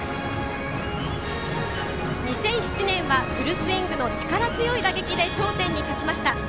２００７年はフルスイングの力強い打撃で頂点に立ちました。